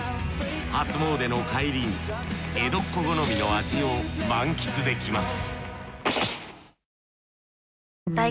初詣の帰りに江戸っ子好みの味を満喫できます